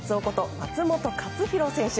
松元克央選手。